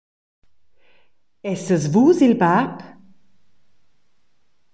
Essas vus il bab?